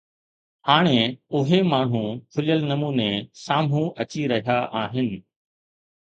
هاڻي اهي ماڻهو کليل نموني سامهون اچي رهيا آهن